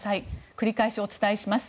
繰り返しお伝えします。